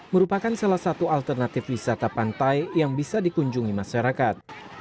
merupakan salah satu alternatif wisata pantai yang bisa dikunjungi masyarakat